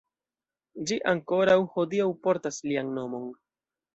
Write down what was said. Ĝi ankoraŭ hodiaŭ portas lian nomon.